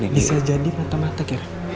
bisa jadi mata mata kira